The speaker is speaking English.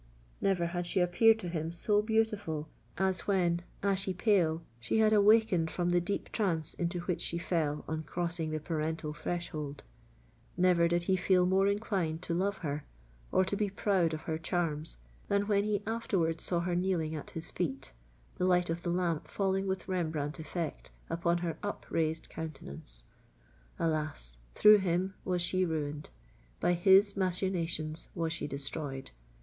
Never had she appeared to him so beautiful as when, ashy pale, she had awakened from the deep trance into which she fell on crossing the parental threshold;—never did he feel more inclined to love her, or to be proud of her charms, than when he afterwards saw her kneeling at his feet, the light of the lamp falling with Rembrandt effect upon her upraised countenance! Alas! through him was she ruined—by his machinations was she destroyed!